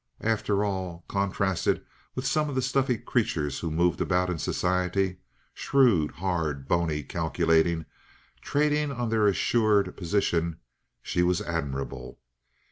After all, contrasted with some of the stuffy creatures who moved about in society, shrewd, hard, bony, calculating, trading on their assured position, she was admirable.